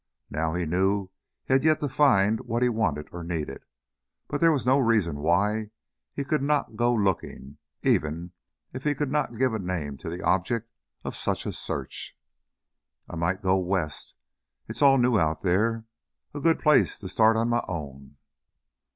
Now he knew he had yet to find what he wanted or needed. But there was no reason why he could not go looking, even if he could not give a name to the object of such a search. "I might go west. It's all new out there, a good place to start on my own."